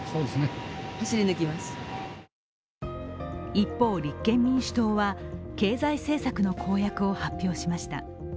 一方、立憲民主党は経済政策の公約を発表しました。